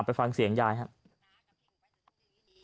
ไปฟังเสียงยายครับ